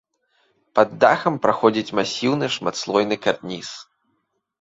Пад дахам праходзіць масіўны шматслойны карніз.